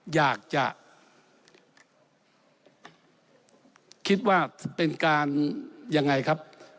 อยากจะคิดว่าเป็นการยังไงครับ